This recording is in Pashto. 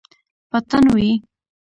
په تن وی